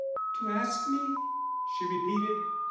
"To ask me?" she repeated.